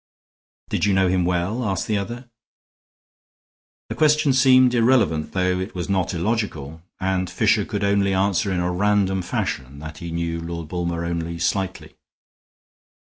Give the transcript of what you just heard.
"Did you know him well?" asked the other. The question seemed irrelevant, though it was not illogical, and Fisher could only answer in a random fashion that he knew Lord Bulmer only slightly.